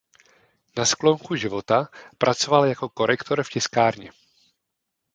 Na sklonku života pracoval jako korektor v tiskárně.